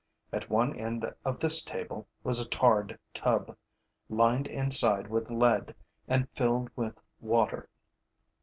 At one end of this table was a tarred tub, lined inside with lead and filled with water.